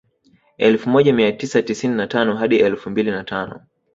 Elfu moja mia tisa tisini na tano hadi elfu mbili na tano